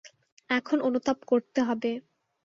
এখন অনুতাপ করতে হবে।